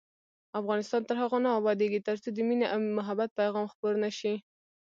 افغانستان تر هغو نه ابادیږي، ترڅو د مینې او محبت پیغام خپور نشي.